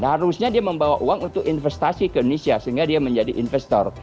harusnya dia membawa uang untuk investasi ke indonesia sehingga dia menjadi investor